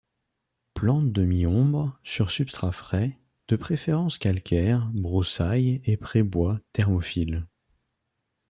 Plante de mi-ombre, sur substrat frais, de préférence calcaire, broussailles et prébois thermophiles.